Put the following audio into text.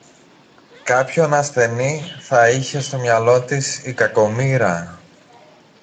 Κάποιον ασθενή θα είχε στο μυαλό της η κακομοίρα